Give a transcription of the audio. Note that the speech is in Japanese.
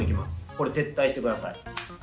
これ、撤退してください。